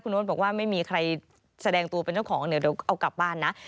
โน๊ตบอกว่าไม่มีใครแสดงตัวเป็นเจ้าของเดี๋ยวเอากลับบ้านนะ